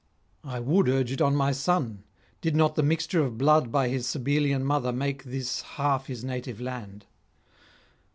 I would urge it on my son, did not the mixture of blood by his Sabellian mother make this half his native land.